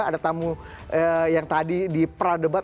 ada tamu yang tadi di pradebat